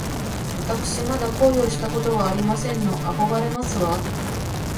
わたくしまだ恋をしたことがありませんの。あこがれますわ